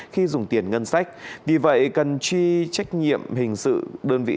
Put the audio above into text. khi dùng tiền ngân sách vì vậy cần truy trách nhiệm hình sự đơn vị